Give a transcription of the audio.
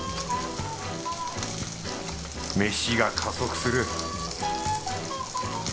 飯が加速する